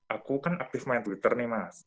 aku kan aktif main twitter nih mas